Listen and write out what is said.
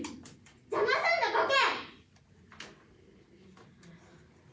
邪魔すんなボケ！